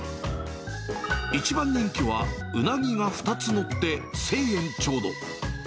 一番人気は、うなぎが２つ載って１０００円ちょうど。